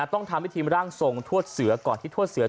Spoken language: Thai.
ต้องทำพิธีร่างทรงทวดเสือก่อนที่ทวดเสือ